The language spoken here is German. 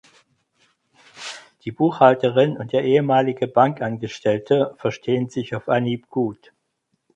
Die Buchhalterin und der ehemalige Bankangestellte verstehen sich auf Anhieb gut.